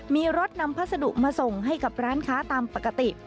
มีรถนำพัสดุมาส่งให้กับร้านค้าตามปกติ